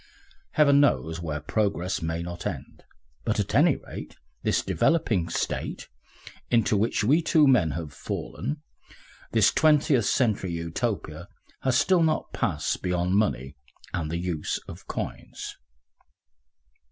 Heaven knows where progress may not end, but at any rate this developing State, into which we two men have fallen, this Twentieth Century Utopia, has still not passed beyond money and the use of coins.